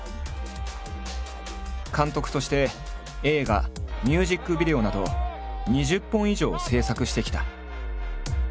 監督として映画ミュージックビデオなど２０本以上を制作してきた。